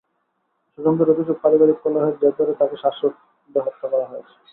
স্বজনদের অভিযোগ, পারিবারিক কলহের জের ধরে তাঁকে শ্বাসরোধে হত্যা করা হয়েছে।